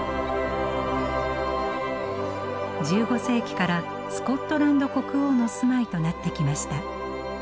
１５世紀からスコットランド国王の住まいとなってきました。